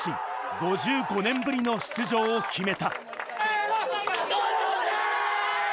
５５年ぶりの出場を決めた。